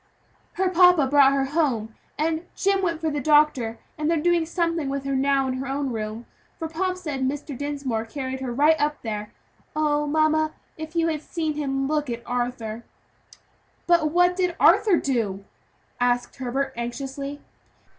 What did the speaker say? "Her papa brought her home, and Jim went for the doctor, and they're doing something with her now in her own room for Pomp said Mr. Dinsmore carried her right up there! Oh I mamma, if you had seen him look at Arthur!" "But what did Arthur do?" asked Herbert anxiously.